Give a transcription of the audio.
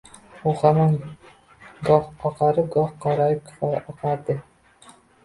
U hamon goh oqarib goh qorayib oqardi.